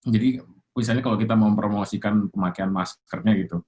jadi misalnya kalau kita mau mempromosikan pemakaian maskernya gitu